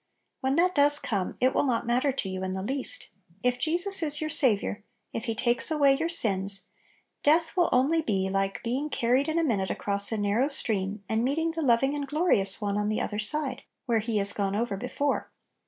When that does come, it will not mat ter to you in the least. If Jesus is your Saviour, if He takes away your sins, death will only be like being car ried in a minute across a narrow stream, and meeting the loving and glorious Little Pillows. 85 One on the other side, where He is gone over before.